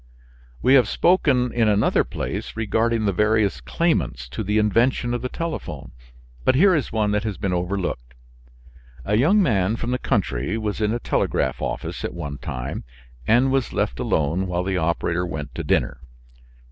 We have spoken in another place regarding the various claimants to the invention of the telephone, but here is one that has been overlooked. A young man from the country was in a telegraph office at one time and was left alone while the operator went to dinner.